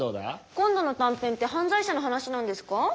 今度の短編って犯罪者の話なんですか？